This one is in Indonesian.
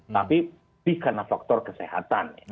tapi dikenal faktor kesehatan